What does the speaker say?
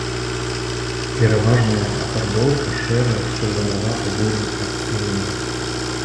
Пераважная афарбоўка шэрая з чырванавата-бурым адценнем.